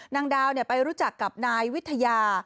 นางดาวไปรู้จักกับนายวิทยา